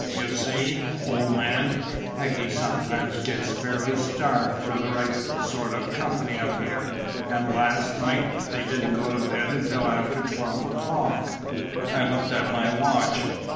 You see, old man, Peggy sometimes gets fairly starved for the right sort of company up here, and last night they didn't go to bed until after twelve o'clock. I looked at my watch.